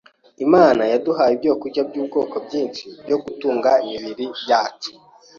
Imana yaduhaye ibyokurya by’ubwoko bwinshi byo gutunga imibiri yacu